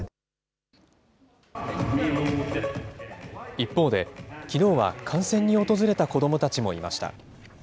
一方で、きのうは観戦に訪れた子どもたちもいました。